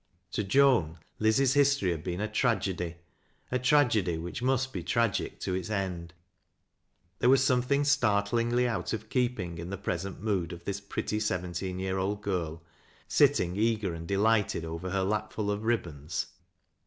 To Joan, Liz's history had been a tragedy— a tragedy which must be tragic to its end. There .was some thing startlingly out of keeping in the present mood ol this pretty seventsen year old girl sitting eager and de lighted over her lapf ul of ribbons